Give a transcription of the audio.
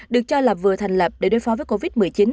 được cho là vừa thành lập để đối phó với covid một mươi chín